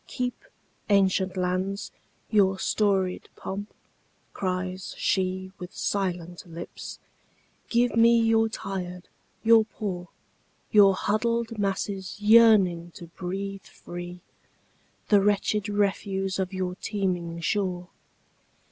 "Keep, ancient lands, your storied pomp!" cries sheWith silent lips. "Give me your tired, your poor, Your huddled masses yearning to breathe free, The wretched refuse of your teeming shore.